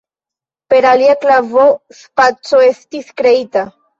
Per alia klavo spaco estis kreita.